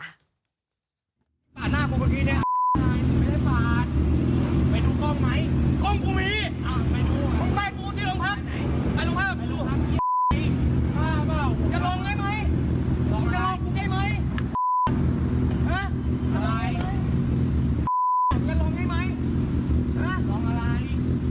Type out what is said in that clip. อะไร